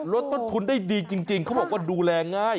ลดต้นทุนได้ดีจริงเขาบอกว่าดูแลง่าย